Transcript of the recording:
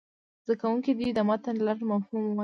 زده کوونکي دې د متن لنډ مفهوم ووایي.